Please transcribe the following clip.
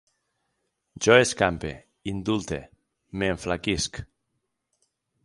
Jo escampe, indulte, m'enflaquisc